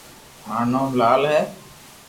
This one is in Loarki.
مارو نوم لال ھي